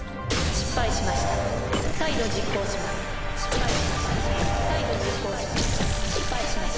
失敗しました再度実行します。